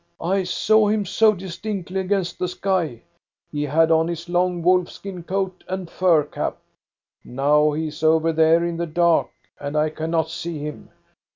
" I saw him so distinctly against the sky. He had on his long wolfskin coat and fur cap. Now he is over there in the dark, and I cannot see him.